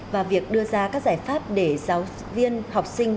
và việc đưa ra các giải pháp để giáo viên học sinh